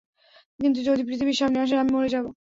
কিন্তু যদি পৃথিবীর সামনে আসে, -আমি মরে যাব।